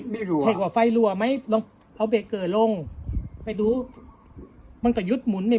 ไม่รัวใช่กว่าไฟลัวไหมลองเอาเบเกอร์ลงไปดูมันก็ยุดหมุน